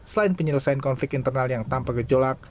selain penyelesaian konflik internal yang tanpa gejolak